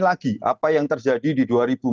lagi apa yang terjadi di dua ribu empat belas